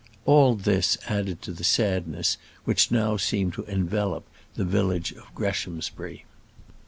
All this added to the sadness which now seemed to envelop the village of Greshamsbury.